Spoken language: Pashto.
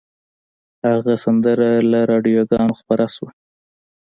هغه سندره له راډیوګانو خپره شوه